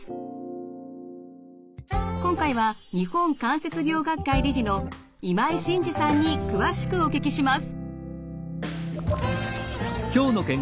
今回は日本関節病学会理事の今井晋二さんに詳しくお聞きします。